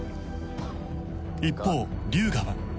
一方龍河は